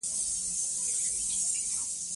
افغانستان کې پامیر د هنر په اثار کې منعکس کېږي.